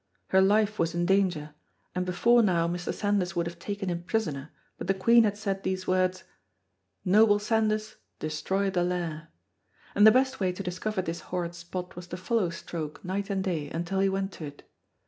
Her life was in danger, and before now Mr. Sandys would have taken him prisoner, but the queen had said these words, "Noble Sandys, destroy the Lair," and the best way to discover this horrid spot was to follow Stroke night and day until he went to it.